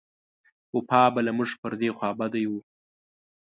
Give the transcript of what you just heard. وفا به له موږ پر دې خوابدۍ و.